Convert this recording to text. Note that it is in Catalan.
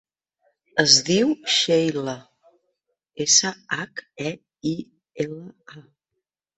Es diu Sheila: essa, hac, e, i, ela, a.